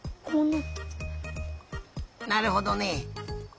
なるほどね。